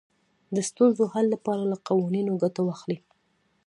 د ستونزو حل لپاره له قوانینو ګټه واخلئ.